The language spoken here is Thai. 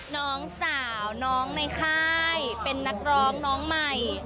น้องสาวน้องในค่ายเป็นนักร้องน้องใหม่